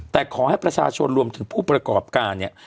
แต่ขอให้ประชาชนรวมถึงผู้ประกอบการเนี่ย